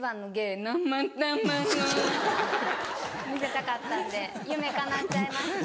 見せたかったんで夢かなっちゃいました。